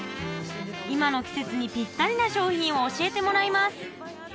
今の季節にピッタリな商品を教えてもらいます